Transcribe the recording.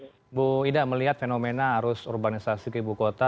ibu ida melihat fenomena arus urbanisasi ke ibu kota